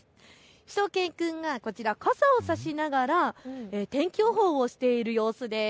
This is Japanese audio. しゅと犬くんが傘を差しながら天気予報をしている様子です。